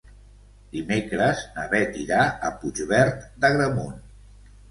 Dimecres na Beth irà a Puigverd d'Agramunt.